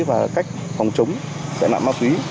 và cách phòng chống tải lãm ma túy